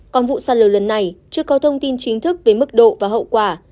còn vụ sạt lở lần này chưa có thông tin chính thức về mức độ và hậu quả